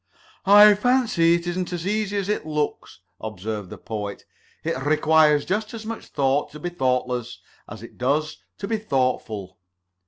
"I fancy it isn't as easy as it looks," observed the Poet. "It requires just as much thought to be thoughtless as it does to be thoughtful."